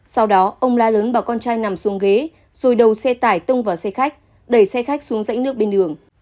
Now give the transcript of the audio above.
sau đó ông la lớn bảo con trai nằm xuống ghế rồi đầu xe tải tông vào xe khách đẩy xe khách xuống rãnh nước bên đường